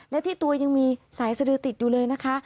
และที่ตัวยังมีสายสดือติดอยู่เลยนะคะ